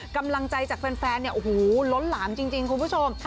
กำลังใจจากแฟนเนี่ยโอ้โหล้นหลามจริงคุณผู้ชม